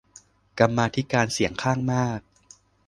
กรรมาธิการเสียงข้างมาก